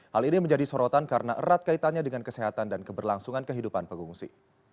hal ini menjadi sorotan karena erat kaitannya dengan kesehatan dan keberlangsungan kehidupan pengungsi